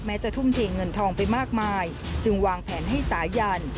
จะทุ่มเทเงินทองไปมากมายจึงวางแผนให้สายัน